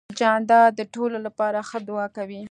جانداد د ټولو لپاره ښه دعا کوي.